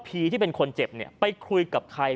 ที่เป็นคนเจ็บเนี่ยไปคุยกับใคร